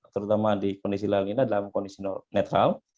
terutama di kondisi langina dalam kondisi netral